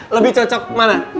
lebih cocok mana